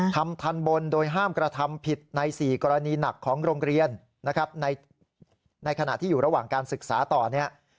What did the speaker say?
ทำทันบนโดยห้ามกระทำผิดใน๔กรณีหนักของโรงเรียนนะครับในขณะที่อยู่ระหว่างการศึกษาต่อเนี่ย